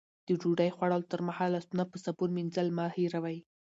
د ډوډۍ خوړلو تر مخه لاسونه په صابون مینځل مه هېروئ.